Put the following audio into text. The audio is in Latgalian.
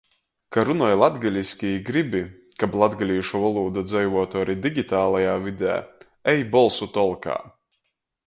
Ka runoj latgaliski i gribi, kab latgalīšu volūda dzeivuotu ari digitalajā vidē, ej Bolsutolkā!